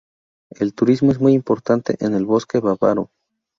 El turismo es muy importante en el Bosque Bávaro.